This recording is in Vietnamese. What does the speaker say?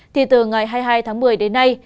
thì từ ngày hai mươi hai tháng một mươi đến nay